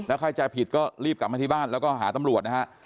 เข้าใจผิดก็รีบกลับมาที่บ้านแล้วก็หาตำรวจนะฮะ